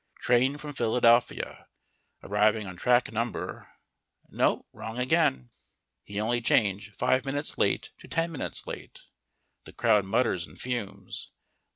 Train from Philadelphia! Arriving on track Number ; no, wrong again! He only change 5 minutes late to 10 minutes late. The crowd mutters and fumes.